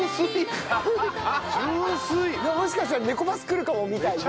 もしかしたらネコバス来るかも！みたいな。